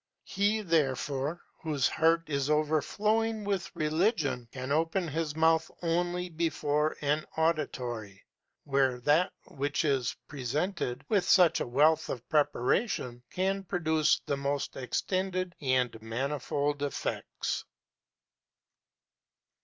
He, therefore, whose heart is overflowing with religion, can open his mouth only before an auditory, where that which is presented, with such a wealth of preparation, can produce the most extended and manifold effects.